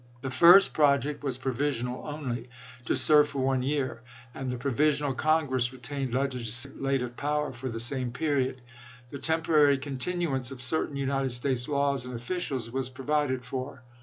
This first project was provisional only, to serve for one year ; and the Provisional Congress retained legislative power for the same period. The tem porary continuance of certain United States laws and officials was provided for.